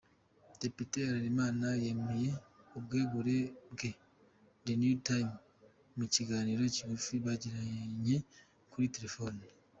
Depite Harelima yemereye ubwegure bwe The New Time mu kiganiro kigufi bagiranye kuri telefone.